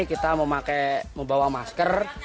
kita membawa masker